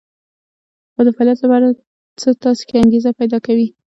او د فعاليت لپاره څه تاسې کې انګېزه پيدا کوي.